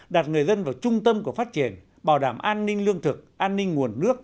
đặt người dân vào trung tâm của phát triển bảo đảm an ninh lương thực an ninh nguồn nước